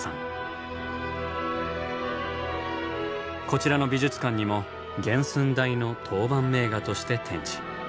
こちらの美術館にも原寸大の陶板名画として展示。